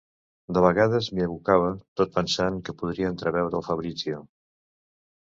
De vegades m'hi abocava tot pensant que podria entreveure el Fabrizio...